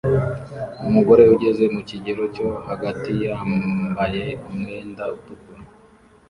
Umugore ugeze mu kigero cyo hagati yambaye umwenda utukura